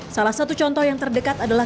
salah satu contoh yang terdekat adalah